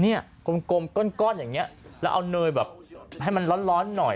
กลมก้อนอย่างนี้แล้วเอาเนยแบบให้มันร้อนหน่อย